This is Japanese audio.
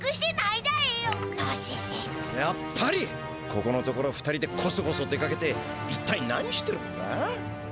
ここのところ２人でコソコソ出かけて一体何してるんだ？